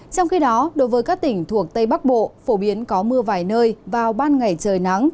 trong khi đó đối với các tỉnh thuộc tây bắc bộ phổ biến có mưa vài nơi vào ban ngày trời nắng